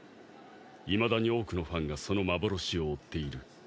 いまだに多くのファンがその幻を追っている。